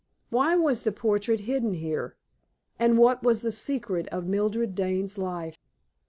Why was the portrait hidden here, and what was the secret of Mildred Dane's life?